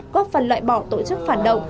góp phần loại bỏ tổ chức phản động